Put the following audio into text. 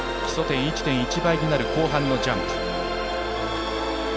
基礎点が１．１倍になる後半のジャンプ。